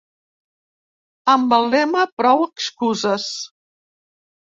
Amb el lema Prou excuses.